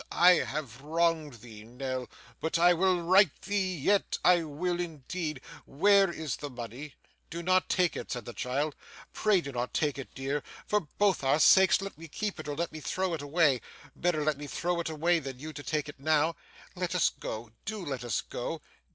I have wronged thee, Nell, but I will right thee yet, I will indeed. Where is the money?' 'Do not take it,' said the child. 'Pray do not take it, dear. For both our sakes let me keep it, or let me throw it away better let me throw it away, than you take it now. Let us go; do let us go.